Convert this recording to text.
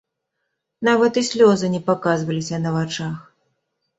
Нават і слёзы не паказваліся на вачах.